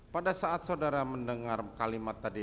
pada saat saudara mendengar kalimat tadi